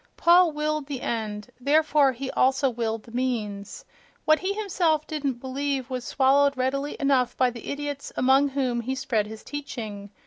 Paul willed the end; therefore he also willed the means.... What he himself didn't believe was swallowed readily enough by the idiots among whom he spread his teaching.